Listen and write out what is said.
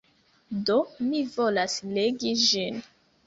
Do, mi volas legi ĝin!